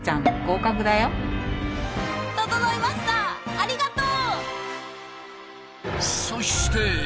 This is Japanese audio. ありがとう！